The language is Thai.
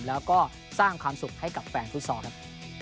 แล้วก็สร้างความสุขให้กับแฟนฟุตซอลครับ